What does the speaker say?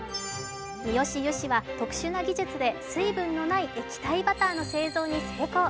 ミヨシ油脂は特殊な技術で水分のない液体バターの製造に成功。